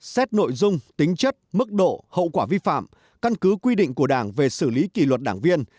xét nội dung tính chất mức độ hậu quả vi phạm căn cứ quy định của đảng về xử lý kỷ luật đảng viên